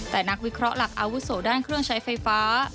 แต่นักวิเคราะห์หลักอาวุโสด้านเครื่องใช้ไฟฟ้า